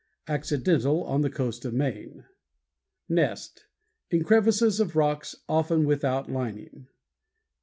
Accidental on the coast of Maine. NEST In crevices of rocks, often without lining.